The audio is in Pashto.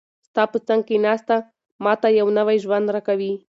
ستا په څنګ کې ناسته، ما ته یو نوی ژوند راکوي.